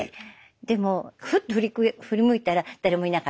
でもふっと振り向いたら誰もいなかったとか。